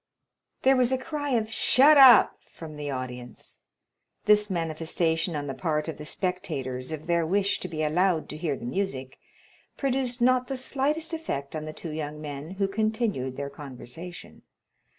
There was a cry of "Shut up!" from the audience. This manifestation on the part of the spectators of their wish to be allowed to hear the music, produced not the slightest effect on the two young men, who continued their conversation.